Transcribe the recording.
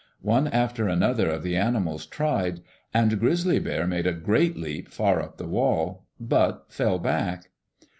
One after another of the animals tried, and Grizzly Bear made a great leap far up the wall, but fell back.